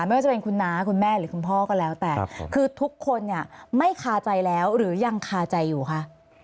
ไม่ว่าจะเป็นคุณน้าคุณแม่หรือคุณพ่อก็แล้วแต่คือทุกคนเนี่ยไม่คาใจแล้วหรือยังคาใจอยู่คะ